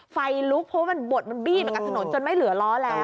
ไฟลุกเพราะว่ามันบดมันบี้ไปกับถนนจนไม่เหลือล้อแล้ว